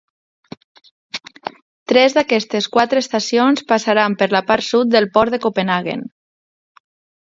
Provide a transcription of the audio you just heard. Tres d'aquestes quatre estacions passaran per la part sud del port de Copenhaguen.